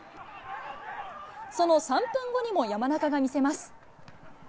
その３分後にも山中が見せます。